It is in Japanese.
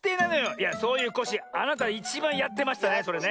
いやそういうコッシーあなたいちばんやってましたねそれね。